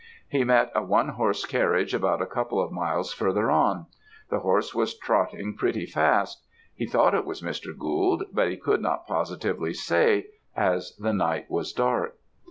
He met a one horse carriage about a couple of miles further on; the horse was trotting pretty fast. He thought it was Mr. Gould, but he could not positively say, as the night was so dark.